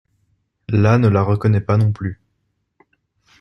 La ne la reconnait pas non plus.